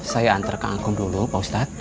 saya antar ke angkum dulu pak ustadz